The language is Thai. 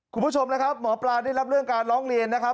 คุณผู้ชมนะครับหมอปลาได้รับเรื่องการร้องเรียนนะครับ